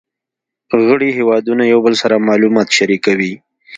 غړي هیوادونه یو بل سره معلومات شریکوي